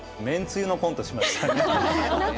めんつゆのコントしましたね。